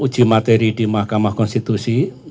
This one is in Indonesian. uji materi di mahkamah konstitusi